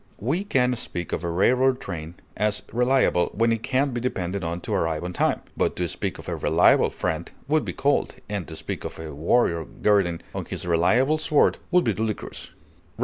We can speak of a railroad train as reliable when it can be depended on to arrive on time; but to speak of a reliable friend would be cold, and to speak of a warrior girding on his reliable sword would be ludicrous.